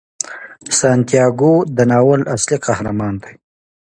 سانتیاګو د ناول اصلي قهرمان دی.